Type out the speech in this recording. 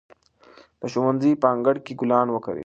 د ښوونځي په انګړ کې ګلان وکرئ.